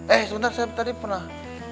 eh sebentar tadi pernah